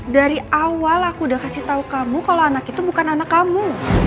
dari awal aku udah kasih tahu kamu kalau anak itu bukan anak kamu